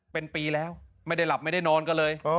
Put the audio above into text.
เป็นปีแล้วไม่ได้หลับไม่ได้นอนกันเลย